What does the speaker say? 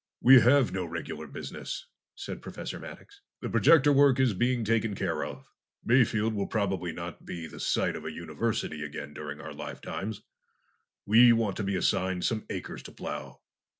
"We have no regular business," said Professor Maddox. "The projector work is being taken care of. Mayfield will probably not be the site of a university again during our lifetimes. We want to be assigned some acres to plow.